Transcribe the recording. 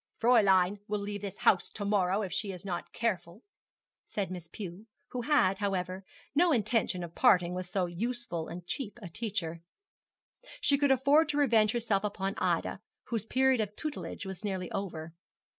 'Fräulein will leave this house to morrow, if she is not careful,' said Miss Pew, who had, however, no intention of parting with so useful and cheap a teacher. She could afford to revenge herself upon Ida, whose period of tutelage was nearly over.